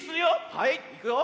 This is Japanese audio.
はいいくよ。